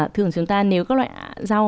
thường chúng ta nếu các loại rau